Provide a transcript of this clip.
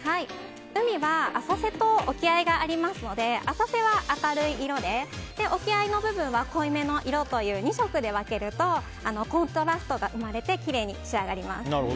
海は浅瀬と沖合がありますので浅瀬は明るい色で沖合の部分は濃いめの色という２色で分けるとコントラストが生まれてきれいに仕上がります。